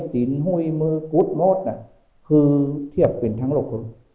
คุยมือกุฎโมทน่ะคือเทียบเป็นทั้งโลกทุกคน